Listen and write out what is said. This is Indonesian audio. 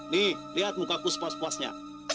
nih lihat mukaku sepuas puasnya